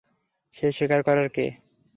সে স্বীকার করার কে?